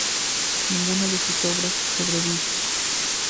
Ninguna de sus obras sobrevive.